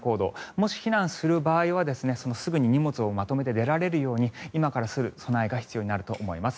もし避難する場合はすぐに荷物をまとめて出られるように今から備えが必要になると思います。